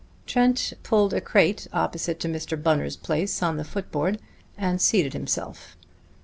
Trent pulled a crate opposite to Mr. Bunner's place on the foot board and seated himself.